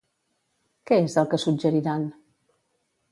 Què és el que suggeriran?